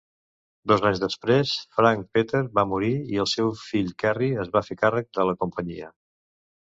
Dos anys després, Frank Packer va morir, i el seu fill Kerry es va fer càrrec de la companyia.